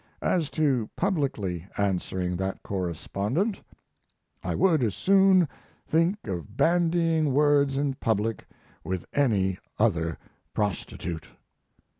As to publicly answering that correspondent, I would as soon think of bandying words in public with any other prostitute.